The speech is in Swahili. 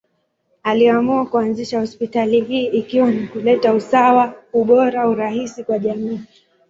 Aliamua kuanzisha hospitali hii ikiwa ni kuleta usawa, ubora, urahisi kwa jamii.